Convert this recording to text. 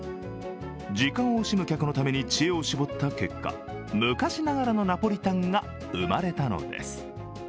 時間を惜しむ客のために知恵を絞った結果、昔ながらのナポリタンが生まれたのです。